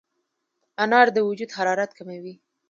انار د وجود حرارت کموي.